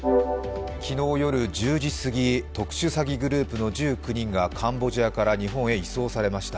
昨日夜１０時すぎ、特殊詐欺グループ１９人がカンボジアから日本に移送されました。